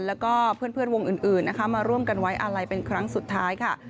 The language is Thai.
แล้วก็เพื่อนวงอื่นนะคะมาร่วมกันไว้อาลัยเป็นครั้งสุดท้ายค่ะ